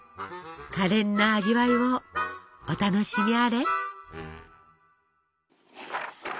かれんな味わいをお楽しみあれ。